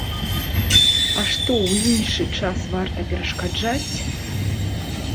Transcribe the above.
А што, у іншы час варта перашкаджаць?